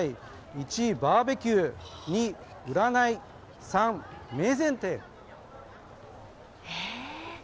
１、バーベキュー、２、占い、３、免税店。